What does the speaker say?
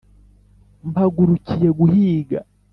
mpagurukiye guhiga.